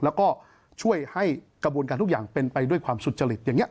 แล้วก็ช่วยให้กระบวนการทุกอย่างเป็นไปด้วยความสุจริตอย่างนี้